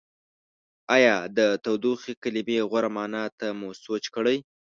ایا د تودوخې کلمې غوره معنا ته مو سوچ کړی؟